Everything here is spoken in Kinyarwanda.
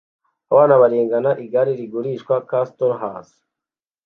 Abana barengana igare rigurisha castanhas